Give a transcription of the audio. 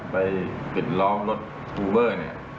ไปปิดล้อมรถอูเบอร์